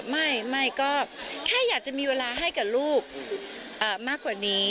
ไม่ก็แค่อยากจะมีเวลาให้กับลูกมากกว่านี้